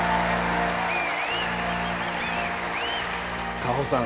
果帆さん。